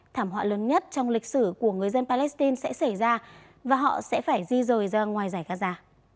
thảm họa lớn nhất trong lịch sử của người dân palestine sẽ xảy ra và họ sẽ phải di rời ra ngoài giải gaza